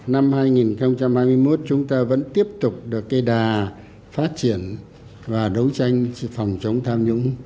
năm hai nghìn hai mươi một chúng ta vẫn tiếp tục được cây đà phát triển và đấu tranh phòng chống tham nhũng